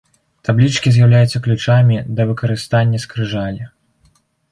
Таблічкі з'яўляюцца ключамі да выкарыстання скрыжалі.